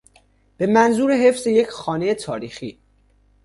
به منظور حفظ یک خانهی تاریخی